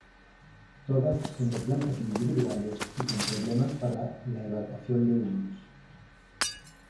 Todas son de plantas individuales y con problemas para la evacuación de humos.